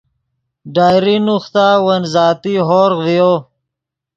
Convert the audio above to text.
ڈائری نوختا ون ذاتی ہورغ ڤیو